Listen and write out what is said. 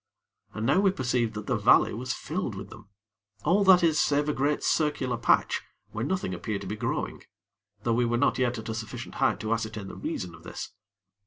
And now we perceived that the valley was filled with them, all, that is, save a great circular patch where nothing appeared to be growing; though we were not yet at a sufficient height to ascertain the reason of this.